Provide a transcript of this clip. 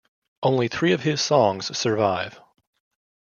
Only three of his songs survive.